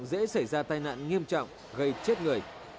dễ xảy ra tai nạn nghiêm trọng gây chết người